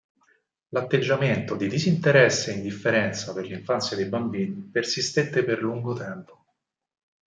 L’atteggiamento di disinteresse e indifferenza per l’infanzia dei bambini persistette per lungo tempo.